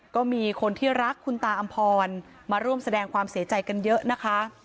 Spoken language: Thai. ก็มีคนที่รักคุณตาอำพรมาร่วมแสดงความเสียใจกันเยอะนะคะ